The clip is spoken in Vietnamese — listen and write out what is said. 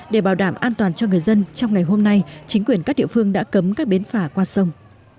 để bảo đảm an toàn cho người dân trong ngày hôm nay chính quyền các địa phương đã cấm các bến phả qua sông